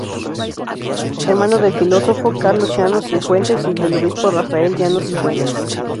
Hermano del filósofo Carlos Llano Cifuentes, y del obispo Rafael Llano Cifuentes.